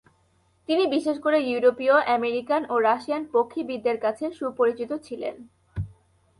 তিনি বিশেষ করে ইউরোপীয়, আমেরিকান ও রাশিয়ান পক্ষীবিদদের কাছে সুপরিচিত ছিলেন।